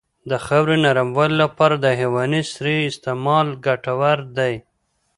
د خاورې نرموالې لپاره د حیواني سرې استعمال ګټور دی.